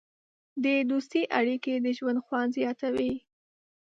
د دوستۍ اړیکې د ژوند خوند زیاتوي.